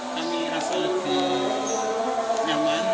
kami rasa lebih nyaman